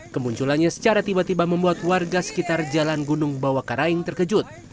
kemunculannya secara tiba tiba membuat warga sekitar jalan gunung bawah karaing terkejut